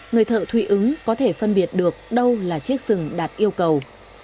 người thợ thụy ứng có thể phân biệt được đâu là chiếc sừng đạt yêu cầu